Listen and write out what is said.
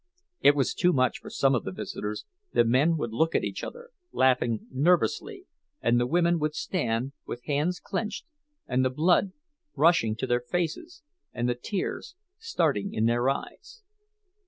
It was too much for some of the visitors—the men would look at each other, laughing nervously, and the women would stand with hands clenched, and the blood rushing to their faces, and the tears starting in their eyes.